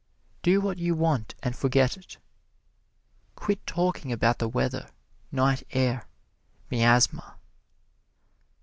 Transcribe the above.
Do what you want and forget it. Quit talking about the weather, night air, miasma.